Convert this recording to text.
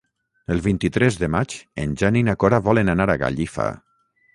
El vint-i-tres de maig en Jan i na Cora volen anar a Gallifa.